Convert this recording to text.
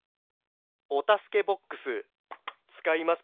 おたすけボックスつかいますか？